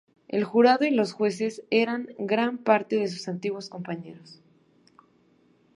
El jurado y los jueces eran en gran parte sus antiguos compañeros.